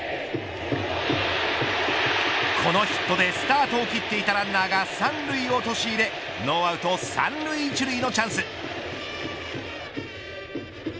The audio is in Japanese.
このヒットでスタートを切っていたランナーが三塁をおとしいれノーアウト三塁一塁のチャンス。